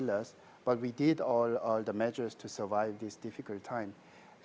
tapi kami melakukan semua peraturan untuk bertahan dalam waktu yang sulit